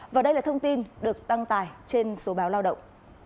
và đây là thông tin được tăng tài trên số báo lao động